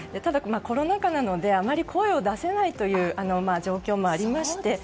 ただコロナ禍なのであまり声を出せないという状況もありまして。